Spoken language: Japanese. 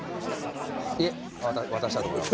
いえ渡したと思います。